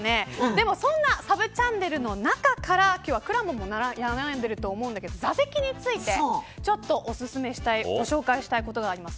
でもそんなサブチャンネルの中から今日はくらもんも悩んでると思うんだけど座席についてご紹介したいことがあります。